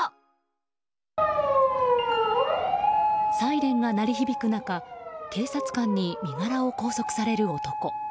サイレンが鳴り響く中警察官に身柄を拘束される男。